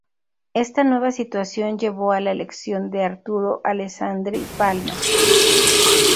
Esta nueva situación llevó a la elección de Arturo Alessandri Palma.